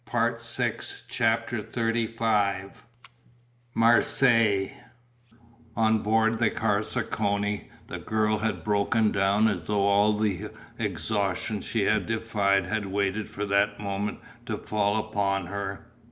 PART VI CHAPTER XXXV MARSEILLES On board the Carcassonne the girl had broken down as though all the exhaustion she had defied had waited for that moment to fall upon her.